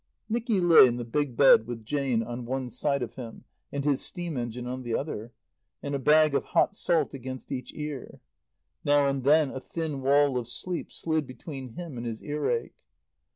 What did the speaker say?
Nicky lay in the big bed with Jane on one side of him and his steam engine on the other, and a bag of hot salt against each ear. Now and then a thin wall of sleep slid between him and his earache.